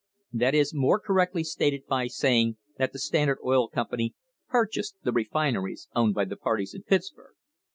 That is more correctly stated by saying that the Standard Oil Company purchased the refineries owned by the parties in Pittsburg.